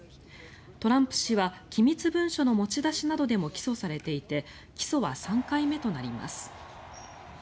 トランプ氏は機密文書の持ち出しなどでも起訴されていて起訴は３回目となります。